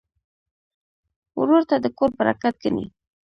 ورور ته د کور برکت ګڼې.